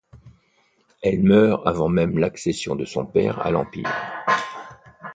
Elle meurt avant même l'accession de son père à l'empire.